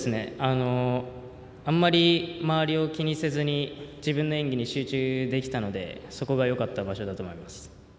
あんまり周りを気にせずに自分の演技に集中できたのでそこがよかった場所だと思います。